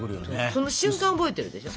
その瞬間覚えてるでしょ？